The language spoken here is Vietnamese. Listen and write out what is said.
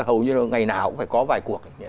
hầu như ngày nào cũng phải có vài cuộc